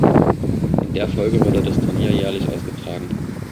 In der Folge wurde das Turnier jährlich ausgetragen.